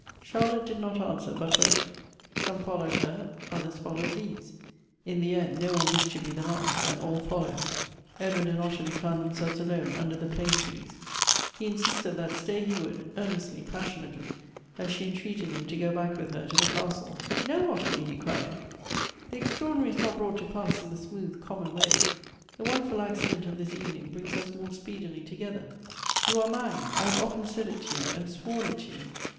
Charlotte did not answer, but went. Some followed her — others followed these : in the end, no one wished to be the last, and all followed. Edward and Ottilie found themselves alone under the plane trees. He in sisted that stay he would, earnestly, passionately, as she entreated him to go back with her to the castle. "No, Ottilie !" he cried ;" the extraordinary is not brought to pass in the smooth common way — the wonderful accident of this evening brings us more speedily together. You are mine — I have often said it to you, and sworn it to you.